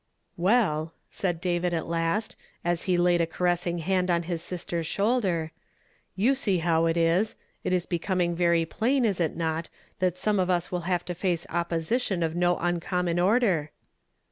" Well," said David at last, as he laid a caress ing liand on his sister's shoulder, "you see how it is. It is becoming very plain, is it not, that some of us will have to face opposition of no com mon order?